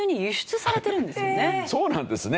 そうなんですね。